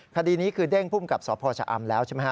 คดีนี้คือเด้งพุ่งกับสภอำแล้วใช่ไหม